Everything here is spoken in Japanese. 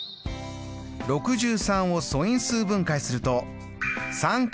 ６３を素因数分解すると３×３×７。